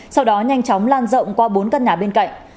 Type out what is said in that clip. sau đó nhanh chóng lan rộng qua bốn căn nhà bên cạnh